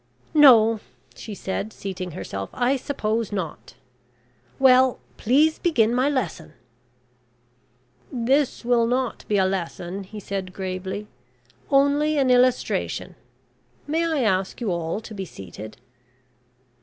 "No," she said, seating herself, "I suppose not. Well, please begin my lesson." "This will not be a lesson," he said, gravely, "only an illustration. May I ask you all to be seated?"